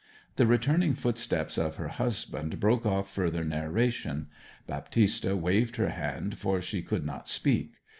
The returning footsteps of her husband broke off further narration. Baptista waved her hand, for she could not speak.